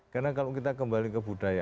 karena kalau kita kembali ke budaya